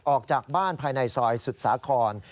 ออกจากบ้านภายในซอยสุดสาคร